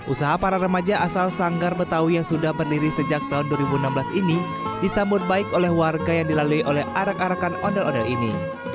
usaha para remaja asal sanggar betawi yang sudah berdiri sejak tahun dua ribu enam belas ini disambut baik oleh warga yang dilalui oleh arak arakan ondel ondel ini